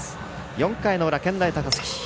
４回の裏、健大高崎。